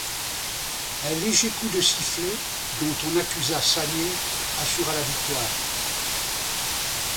Un léger coup de sifflet, dont on accusa Sanier, assura la victoire.